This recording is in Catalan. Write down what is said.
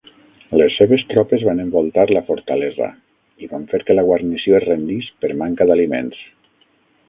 Les seves tropes van envoltar la fortalesa i van fer que la guarnició es rendís per manca d'aliments.